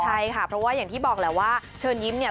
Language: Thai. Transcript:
ใช่ค่ะเพราะว่าอย่างที่บอกแหละว่าเชิญยิ้มเนี่ย